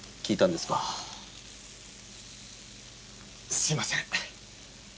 すみません！